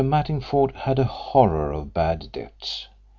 Mattingford had a horror of bad debts.